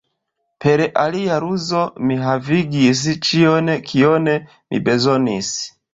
Per alia ruzo, mi havigis ĉion, kion mi bezonis.